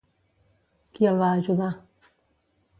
Qui el va ajudar?